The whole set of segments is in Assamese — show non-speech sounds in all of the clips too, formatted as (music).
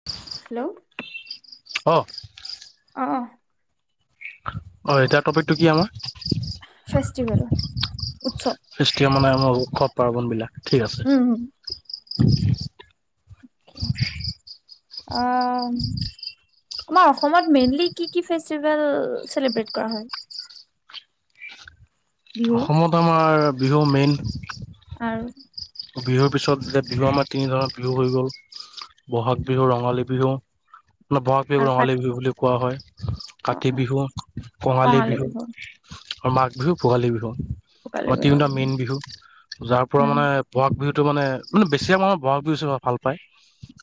(inaudible) হেল্ল'! অ। অ, অ। অঁ, এতিয়া টপিকটো কি আমাৰ? ফেষ্টিভেল, উৎসৱ। ফেষ্টিভেল মানে আমাৰ উৎসৱ -পাৰ্বণবিলাক, ঠিক আছে। উম অ। আমাৰ অসমত মেইনলি কি কি ফেষ্টিভেল চেলিব্ৰেত কৰা হয়? (inaudible) বিহু অসমত আমাৰ বিহু মেইন। আৰু! বিহুৰ পিছত, বিহু আমাৰ তিনি ধৰণৰ বিহু হৈ গ'ল। ব'হাগ বিহু, ৰঙালী বিহু (unintelligible) ব'হাগ বিহুক আৰু কাত ৰঙালী বিহু বুলি কোৱা হয়। অ কাতি বিহুক কঙালী বিহু আৰু মাঘ বিহু ভোগালী বিহু। ভোগালী আমাৰ বিহু তিনিটা মেইন বিহু। যাৰ পৰা উম মানে ব'হাগ বিহুটো মানে, বেছিয়ে মানু্হ ব'হাগ বিহুটো ভালপায়।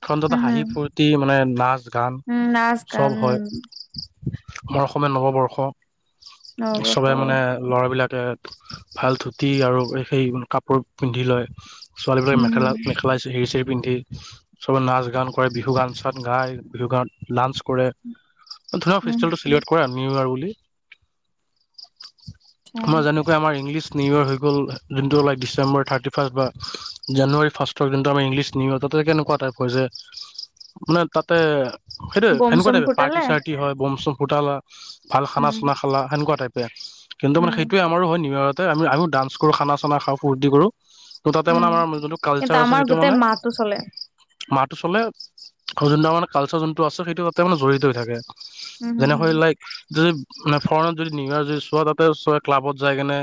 (unintelligible) উম হম হাঁহি-ফূৰ্তি, মানে নাচ-গান উম নাচ গান চব হয়। আমাৰ অসমীয়া নৱবৰ্ষ, নৱবৰ্ষ চবে মানে ল'ৰাবিলাকে ভাল ধূতি আৰু সেই কাপোৰ পিন্ধি লয় ছোৱালীবিলাকে উম হম মেখেলা পেলাই হেৰি চিৰি পিন্ধি চবে নাচ, গান কৰে বিহু গান-চান গায়, বিহু গানত ডান্স কৰে ধৰা উম ফেষ্টিভেলটো চেলিব্ৰেট কৰে আৰু নিউইয়েৰ বুলি আমাৰ যেনেকৈ আমাৰ ইংলিছ নিউইয়েৰ হৈ গ'ল যোনটো ডিচেম্বৰ, থাৰ্টিফাষ্ট বা জানুৱাৰী ফাষ্টৰ যোনটো আমি ইংলিছ নিউইয়েৰ পাতো কেনেকুৱা টাইপৰ যে মানে তাতে সেইটোয়ে, বম সেনেকুৱা চম টাইপে ফুটালে পাৰ্টি-চাৰ্টি হয়', ব'ম-চ'ম ফুটালা উম ভাল-খানা খা লা, সেনেুকুৱা টাইপে কিন্তু, মানে উম সেইটোৱে আমাৰো হয় নিউইয়েৰতে, আমি ডান্স কৰোঁ, খানা-চানা খাওঁ, ফূৰ্তি কৰোঁ ত' তাতে মানে উম আমাৰ যোনটো কিন্তু কালচাৰ আছে, আমাৰ সেইটো গোটেই মানে মাহটো চলে মাহটো চলে আৰু যোনটো আমাৰ কালচাৰ যোনটো আছে সেইটো তাতে মানে জড়িত হৈ থাকে উম হম হম যেনেকৈ লাইক যদি মানে ফৰেনত যদি নিউইয়েৰ যদি চোৱা তাতে চব ক্লাবত যায় কেনে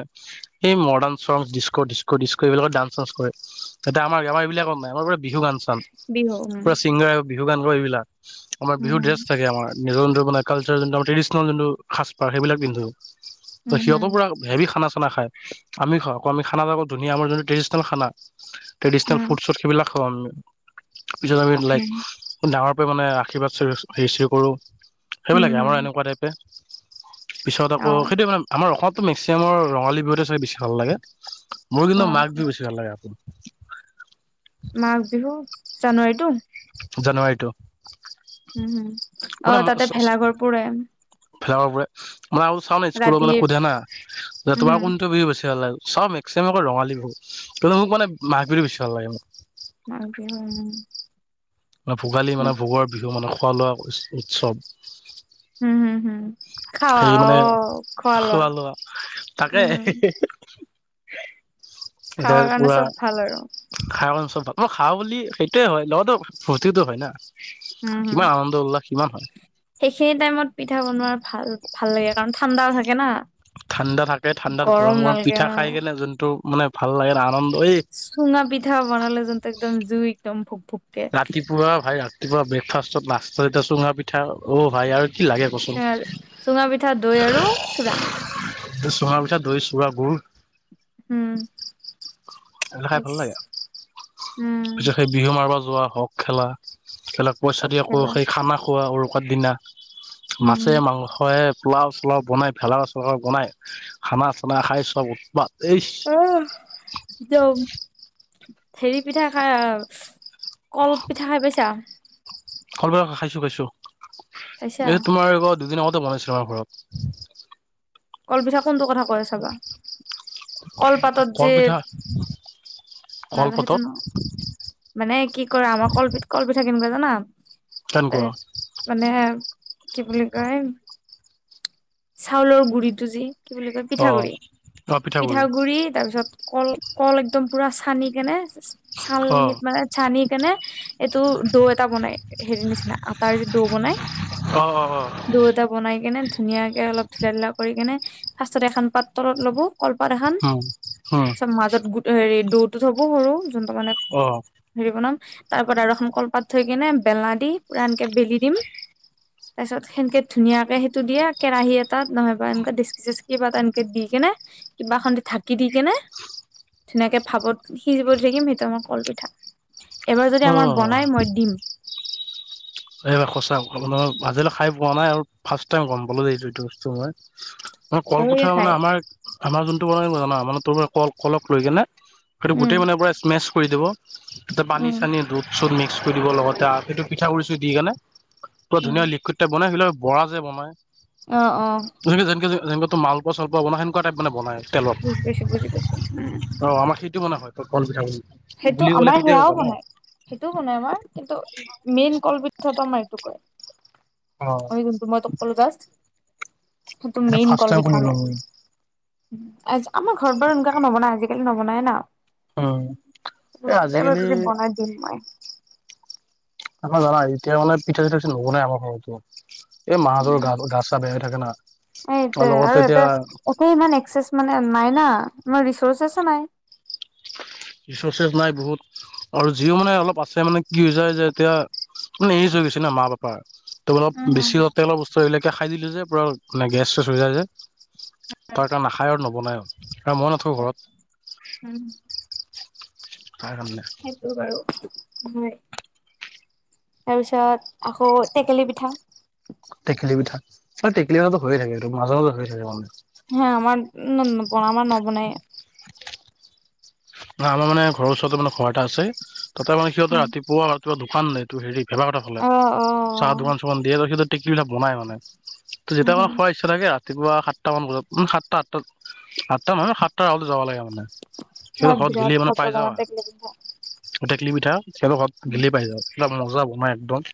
এই মডাৰণ চং ডিচক ডিচক ডিচক এইবোৰত ডান্স ছাঞ্চি কৰে তাতে আমাৰ বিহু গান চান বিহু উম পুৰা চিংগাৰ বিহু গানবোৰ এইবিলাক আমাৰ উম বিহু হম ড্ৰেছ থাকে আমাৰ নিজৰ মানে কালচাৰ যোনটো ট্ৰেডিচনেল যোনটো সাজপাৰ সেইবিলাক পিন্ধো উম সিহঁতো হম পৰা হেভি খানা-চানা খায় আমি খাওঁ, আকৌ আমি খানাটো আকৌ ধুনীয়া আমাৰ যোনটো ট্ৰেডিচনেল খানা ট্ৰেডিচনেল উম ফুডছৰ সেইবিলাক খাওঁ আমি পিছত আমি লাইক উম ডাঙৰকৈ মানে আশীৰ্বাদ হেৰি-চেৰি কৰোঁ সেইবিলাকে আমাৰ উম এনেকুৱা টাইপে পিছত আকৌ হম সেইটো মানে আমাৰ অসমতো মেক্সিমামৰ ৰঙালী বিহুটোৱেই চাগে বেছি ভাল লাগে মোৰ কিন্তু অ মাঘ বিহু বেছি বেছি ভাল লাগে আৰু মাঘ বিহু জানুৱাৰীতটো জানুৱাৰীটো উম হুম অ তাতে ভেলাঘৰ পুৰে ভেলাঘৰ পুৰে মই আৰু চাওঁ দেই স্কুলত ৰাতি মানে সোধে না যে উম তোমাৰ হম কোনটো বিহু বেছি লাগে বেছি ভাগৰ মানে ৰঙালী বিহু কিন্তু মোক মানে মাঘ বিহু বেছি ভাল লাগে মাঘ বিহু মান ভোগালী মানে ভোগৰ বিহু মানে খোৱা-লোৱা উৎসৱ উম হুম হুম খাৱা সেই অ মানে খোৱা-লোৱা খোৱা লোৱা তাকে উম (unintelligible) দেহ খাৱাৰ কাৰণে পোৰা চব ভাল আৰু খায় মানে চব ভাল খাওঁ বুলি সেইটোৱে হয়, নৌ দাউত ফূৰ্তিটো হয় না উম হম কিমান আনন্দ- উল্লাস কিমান হয় সেইখিনি টাইমত পিঠা বনোৱাৰ ভাল, ভাল লাগে কাৰণ ঠাণ্ডা থাকে না ঠাণ্ডা থাকে, ঠাণ্ডাত গৰম গৰম-গৰম নালাগে পিঠা অ খাই কিনে যোনটো মানে ভাল লাগে আনন্দ এই চুঙা পিঠা বনালে যোনতো একদম জুই একদম ভুক ৰাতিপুৱা ভাই ৰাতিপুৱা ব্ৰেকফাষ্টত চুঙাপিঠা অ', ভাই আৰু কি লাগে কচোন অ চুঙাপিঠা, দৈ আৰু চোৰা চুঙা পিঠা দৈ চুৰা গুড় উম আৰু খাই ভাল লাগে আৰু, উম ভুজিয়া খাই বিহু মাৰিব যোৱা হওক খেলা খেলাক পইচা দিয়া আকৌ খেলা সেই খানা খোৱা উৰুকাৰ দিনা উম মাছে, মাংসই পোলাও চোলাও বনাই, ভেলা চেলা বনাই, খানা চানা খাই চব উৎপাত, এইচ অহ, (unintelligible) হেৰি পিঠা খাই, কল পিঠা খাই পাইছা? কল পিঠা খাইছো খাইছো, খাইছা এই তোমাৰ দুদিন আগতে বনাইছিল, আমাৰ ঘৰত। কল পিঠা কোনটো কথা কৈ আছা বা? কলপাতত যে, কলপিঠা না না সেইটো কলপাতত নহয়। মানে কি কৰা? আমাৰ কলপিঠ, কলপিঠা কেনেকুৱা জানা? তা কেনেকুৱা মানে কি বুলি কয়? চাউলৰ গুৰিটো যি কি বুলি কয়? অ পিঠাগুৰি, পিঠাগুৰি তাৰ পিছত কল কল একদম পুৰা চানি কেনে, অ চাল‌ঙিত মানে, চানি কেনে এইটো ডো এটা বনাই হেৰি নিচিনা, আটাৰ যে ডো বনাই। অ', অ', অ'। ডো এটা বনাই কেনে, ধুনীয়াকে অলপ ঢিলা ঢিলা কৰি কেনে, ফাষ্টতে এখান পাত তলত ল'ব, কলপাত এখান উম, হুম। মাজত গো, হেৰি ডোটো থব সৰু, যোনটো মানে অ'। হেৰি বনাম, তাৰ‌ওপৰত আৰু এখন কলপাত থৈ কিনে, বেলনা দি, পুৰা এনকে বেলি দিম। তাৰপিছত সেনকে ধুনীয়াকে সেইটো দিয়া, কেৰাহী এটাত নহয় এনকা ডেচকি চেচকি কিবা এটা এনকে দি কেনে, কিবা এখনদি ঢাকি দি কেনে ধুনীয়াকে ভাপত সিজিব দি থাকিম, সেইটো আমাৰ কলপিঠা, এইবাৰ যদি অ আমাৰ বনাই, মই দিম। এইবাৰ সঁচা (inaudible) আজিলৈ খাই পোৱা নাই আৰু, ফাৰ্ষ্ট টাইম গম পালো যে, এই এইটো বস্তু মই। ভাল লাগে কলপিঠা খাই মানে আমাৰ আমাৰ যোনটো বনাই জানা, মানে তোৰল কল কলক লৈ কেনে, সেইটো উম গোটেই মানে স্মেচ কৰি দিব। তাতে পানী উম চানী, দুধ চুধ মিক্স কৰি দিব লগতে, সেইটো পিঠাগুড়ি চুৰি দি কেনে পুৰা উম ধুনীয়া লিকুইড টাইপ বনাই, সেইবিলাক বৰা যে বনাই। অ', অ'। যেনেকে যেনকে যে যেনেকুৱা মালপোৱা চালপোৱা বনায়, সেনেকুৱা টাইপ মানে বনায়। তেলত, বুজি পাইছো বুজি পাইছো উম অ', আমাৰ সেইটো বনায় খুৱাই, কলপিঠা বুলি। সেইটো, বুলি ক'লে আমাৰ সেইটোৱে সেয়াও জানো বনাই। সেইটোও বনাই আমাৰ, কিন্তু মেইন কলপিঠাটো আমাৰ এইটো কয়। অ ম‌ই যোনটো ম‌ই তোক কলো জাষ্ট, সেইটো এইটো মেইন ফাৰ্ষ্ট টাইম কলপিঠা শুনিলো আমাৰ। মই আজ, আমাৰ ঘৰত বাৰু এনেকুৱাকো নবনাই, আজিকালি নবনাই না। অ', এই এইবাৰ আজিকালি (inaudible) আমাৰ জানা? এতিয়া মানে পিঠা চিঠা বেচি নবনাই আমাৰ ঘৰতো, এই মাহঁতৰ গা, গা চা বেয়া হৈ থাকে না। এইটোয়েই লগতে আৰু এতিয়া ইয়াতে, ইয়াতে ইমান এক্সেচ মানে নাই না, ইমান ৰিৰ্চছেচো নাই। ৰিচৰ্চেছ নাই বহুত। আৰু যিও মানে অলপ আছে মানে কি হৈ যায় যে এতিয়া, মানে এইজ হৈ গৈছে না মা পাপাৰ। তো অলপ উম, বেছি হম, অলপ তেলৰ বস্তু এইবিলাকে খাই দিলে যে, পুৰা গেছ চেছ হৈ যায় যে। তাৰকাৰণে নাখায়েও আৰু নৱনায়ো আৰু মই নাথাকো ঘৰত। উম। তাৰকাৰণে হয় বাৰু, হয়। তাৰপিছত আকৌ টেকেলি পিঠা। টেকেলি পিঠা। এই টেকেলি পিঠাটো হৈয়ে থাকে এইটো মাজে মাজে হৈ থাকে মানে। হা আমাৰ (unintelligible) নবনাই। ন আমাৰ মানে ঘৰ ওচৰতে মানে ঘৰ এটা আছে। ততে মানে সিহঁতে ৰাতিপুৱা কিবা দোকান নাই। তোৰ হেৰি ভেবা কথা ফালে। অ', চাহ অ', দোকান চোকান দিয়ে (unintelligible) টেকিবিলাক বনাই মানে। যেতিয়া পা উম, (unintelligible) অ তাকে, ৰাতিপুৱা সাতটা মান বজাত। উম সাতটা আঠতাত সাতটা মানে সাতটা আগ যাব লাগে মানে সিহঁত মই ঘৰত বিৰাট গেলে মানে ভাল পাওঁ পাই জানা যাৱ টেকেলি পিঠা। আৰ। টেকেলি পিঠা। হেত ঘত গিলি পাই যাও। (unintelligible) মজা বনাই একদম।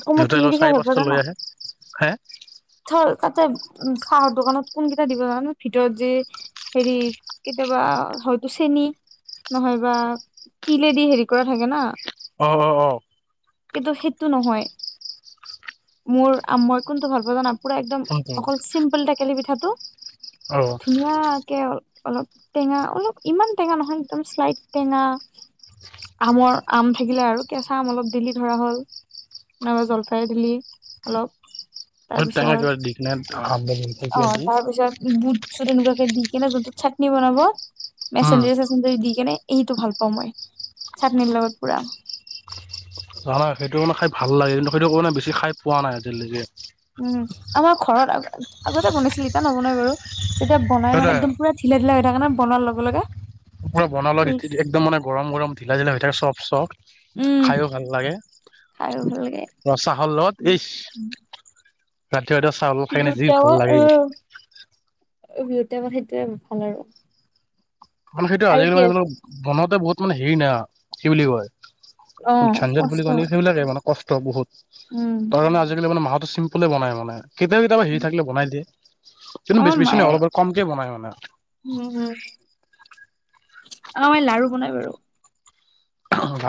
আকৌ মই দেউতাই লৈ কিহেদি খাই চাৰি ভাল পাঁচটা লৈ আহে। খাই। ঢৰ তাতে উ চাহৰ দোকানত কোনকেইটা দিব জান ন ভিতৰত যে হেৰি, কেতিয়াবা হয়তো চেনি। নহয়বা তিলেদি হেৰি কৰা থাকে না। অ, অ, অ। কিন্তু সেইটো নহয়। মোৰ আ- মই কোনটো ভাল পাও জানা? পুৰা একদম অকল চিম্পুল টেকেলি পিঠাটো, অ ধুনীয়াকে অলপ টেঙা অলপ ইমান টেঙা নহয়, একদম শ্লাইট টেঙা। আমৰ আম থাকিলে আৰু কেঁচা আম অলপ দিলি ধৰা হ'ল। নাইবা জলফাই দিলি অলপ। টেঙা তাৰপিছত অ (unintelligible) তাৰপিছত বুট চুত এনেকুৱাকে দি কিনে যোনটোত চাটনি বনাব। মেছেন্দেৰি সেছে দি কেনে এইটো ভাল পাওঁ মই, চাটনি লগত পুৰা। হয়, সেইটো মানে খাই ভাল লাগে কিন্তু সেইটো মানে বেছি খাই পোৱা নাই আজিলৈকে। উম, আমাৰ ঘৰত আ আগতে বনাইছিল এতিয়া নবনাই বাৰু, যেতিয়া বনাই সেইটোৱে মানে একদম পুৰা ঢিলা ঢিলা হৈ থাকে নই বনোৱাৰ লগে লগে। পৰা বনালে ইচ একদম মানে গৰম গৰম ঢিলা ঢিলা হৈ থাকে চফ চফ। উম খাইও ভাল লাগে। খাইও ভাল লাগে। অ চাহ লত (unintelligible) ৰাতি ৰাতি চাউল খাই কিনে বিহুৰ যি ভাল লাগে। উ বিহুতে আক সেইটোৱে ভাল আৰু। মানে সেইটো আৰু আজিকালি কি মানে আছে (unintelligible) বনতে বহুত মানে হেৰি না, কি বুলি কয়? অ (unintelligible) বুলি কষ্ট কয় নি? সেইবিলাকে মা কষ্ট বহুত। উম তাৰ কাৰণে আজিকালি মানে মাহটো চিম্পলে বনাই মানে। কেতিয়াবা কেতিয়াবা হেৰি থাকিলে বনাই দিয়ে কিন্তু বেছ আমাৰ বেছি নহয় মায়ে অলপ কমকে বনাই মানে। উম, উম। অ, এ লাৰু বনাই বাৰু।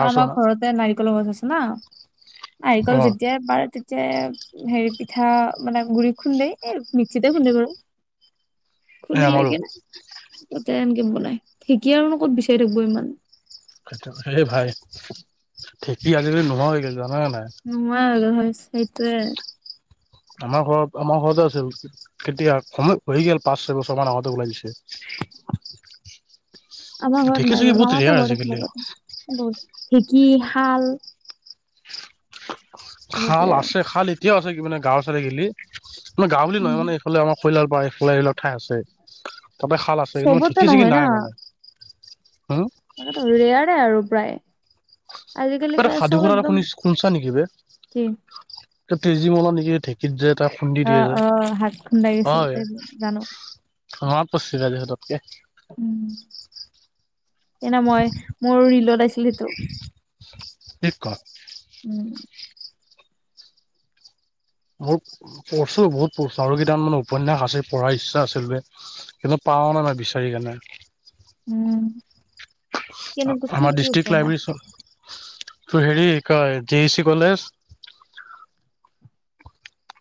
অ চাহ আমাৰ না। ঘৰতে নাৰিকল গছ আছে না। নাৰিকল অ' যেতিয়াই পাৰে তে যে হেৰি পিঠা মানে গুৰি খুন্দেই, এ মিক্সিতে খুন্দে বাৰু। এই খুন্দি লৈ আমাৰো কেনে তাতে এনেকে বনাই। ঢেকী আৰু নো ক'ত বিচাৰি থাকিব ইমান। হে ভাই, ঢেকী আজিকালি নোহোৱা হৈ গ'ল জানা নে নাই? নোহোৱা হৈ গ'ল, (unintelligible) সেইটোৱে। আমাৰ ঘৰ আমাৰ ঘৰতে আছে (unintelligible) কেতিয়া? সময় হৈ গল পাঁচ, ছয় বছৰ মান আগতে ওলাই দিছে। (inaudible) আমাৰ ঘৰত ঢেঁকী নাই চেকি বাৰু বহুত মামাহত ৰেয়াৰ ঘৰত আজিকালি আছিল ব ঢেকি, শাল। বহুত শাল ৰেয়াৰ আছে শাল এতিয়াও আছে কি মানে গাঁওৰ চালে গেলি মানে গাওঁ বুলি নহয় উম মানে- ফালে আমাৰ খৈলাল পাৰ খৰ ঠাই আছে তাতে খাল আছে কিন্তু চবতে ঢিকি চিকি নহয় নাই মানে। হুওম' মানে টৰোৰেয়াৰে আৰু প্ৰায়। আজিকালি কিবা এটা সাধু চব কথা এটা একদম খুনিছো খুনিছা নেকি বে, কি ত তেজী মলা নেকি এ ঢেক- কিত যে তাক খুন্দি অ দিয়ে যে। অ হাত খুন্দাই গৈছিল হয়, তে - জানো (unintelligible) উম' এনা মই মোৰ ৰিলত আছিল সেইটো। কি কম উম মোৰ পঢ়ছো বহুত পঢ়ছো আৰু কেইটামান মানে উপন্যাস আছিল পঢ়াৰ ইচ্ছা আছিল বে। কিন্তু, পাও না না বিচাৰি কিনে। উম' কেনেকুৱা কি আমাৰ কি ডিষ্ট্ৰিক্ট উপন্যাস লাইব্ৰেৰী চোৱা। তো হেৰি কয় G E C college.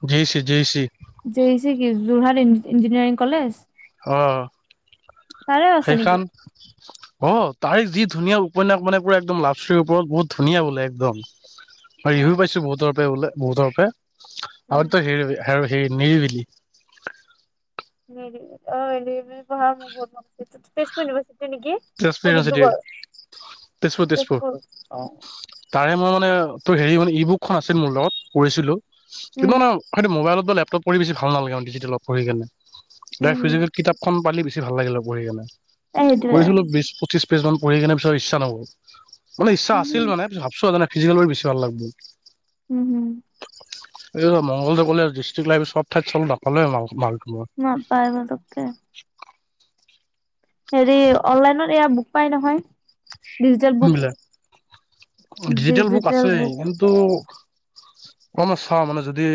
G E C, G E C. G E C কি যোৰহাট ইঞ্জিনিয়াৰিং কলেজ? অঁ' অঁ' তাৰে আছে নেকি সেইখন- অঁ' তাই যি ধুনীয়া উপন্যাস বনায় পুৰা একদম লাভশ্ৰীৰ ওপৰত বহুত ধুনীয়া বোলে একদম। উম পাইছো বহুতৰ পৰাই বোলে বহুতৰ পৰাই উম আৰু তয় হেৰি- আৰু সেই নিৰিবিলি। নিৰিবিলি অঁ নিৰিবিলি পঢ়া মো বহুত মন আছে। ত তেজপুৰ ইউনিভাৰচিটি নেকি। তেজপুৰ নে ইউনিভাৰ্চিটিৰ ডিব্ৰুগড়, তেজপুৰ অঁ'। তাৰে মই মানে তোৰ হেৰি মানে ই বুকখন আছিল মোৰ লগত পঢ়িছিলো। কিন্তু, উম মানে সেইটো মোবাইলত বা লেপটপ পঢ়ি বছি ভাল নালাগে ডিজিটেল পঢ়ি কেনে। নাই উম উম ফিজিকেল কিতাপখন পালি বেছি ভাল লাগি হয় পঢ়ি কেনে, সেইটোৱে পঢ়িছিলো বিশ-পঁচিশ- পেজ মান পঢ়ি কিনে পিছত ইচ্ছা নগল মানে ইচ্ছা উম আছিল মানে ভাবছো মানে ফিজিকেল খন বেছি ভাল লাগব। উম' হুম'। এই মংগলদৈ কলেজ ডিষ্ট্ৰিক্ট লাইব্ৰেৰী চব ঠাইত চল নাপালে মালটো মোৰ। নাপায় পুটোককে। হেৰি অনলাইনত এয়া বুক পাই নহয়, ডিজিটেল বুক। কোনবিলাক ডিজিটেল বুক আছে কিন্তু অকমান চাওঁ মানে যদি-